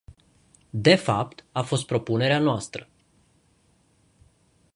De fapt, a fost propunerea noastră.